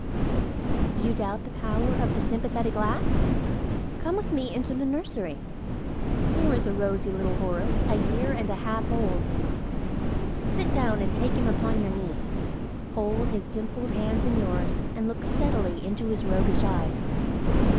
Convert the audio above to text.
You doubt the power of the sympathetic laugh? Come with me into the nursery. Here is a rosy little horror, a year and a half old. Sit down and take him upon your knees. Hold his dimpled hands in yours, and look steadily into his roguish eyes.